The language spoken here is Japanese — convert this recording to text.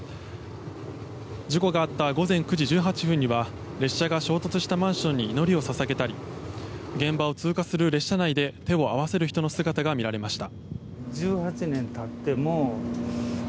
事故があった午前９時１８分には列車が衝突したマンションに祈りを捧げたり現場を通過する列車内で手を合わせる人の姿が見られました。